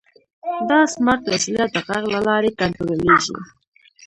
دا سمارټ وسیله د غږ له لارې کنټرولېږي.